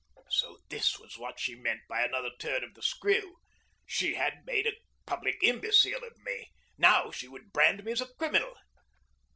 So this was what she meant by another turn of the screw! She had made a public imbecile of me. Now she would brand me as a criminal.